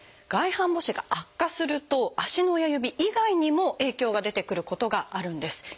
外反母趾が悪化すると足の親指以外にも影響が出てくることがあるんです。